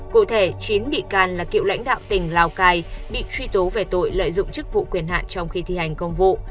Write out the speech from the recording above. cụ thể chín bị can là cựu lãnh đạo tỉnh lào cai bị truy tố về tội lợi dụng chức vụ quyền hạn trong khi thi hành công vụ